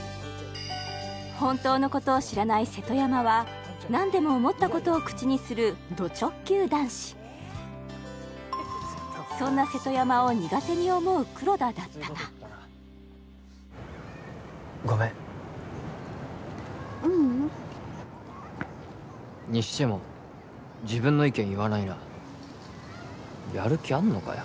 本当のことを知らない瀬戸山は何でも思ったことを口にするド直球男子そんな瀬戸山を苦手に思う黒田だったがごめんううんにしても自分の意見言わないなやる気あんのかよ